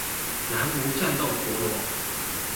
南無戰鬥陀螺